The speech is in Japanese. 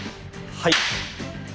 はい。